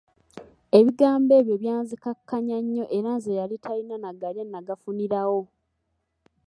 Ebigambo ebyo byanzikakkanya nnyo era nze eyali talina na galya nnagafunirawo.